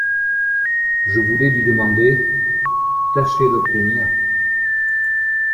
Je voulais lui demander… tâcher d’obtenir…